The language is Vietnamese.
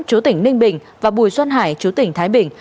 chú tỉnh ninh bình và bùi xuân hải chú tỉnh thái bình